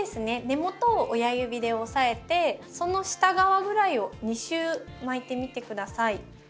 根元を親指で押さえてその下側ぐらいを２周巻いてみて下さい。